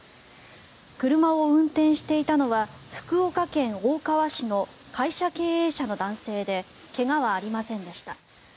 車を運転していたのは福岡県大川市の会社経営者の男性で怪我はありませんでした。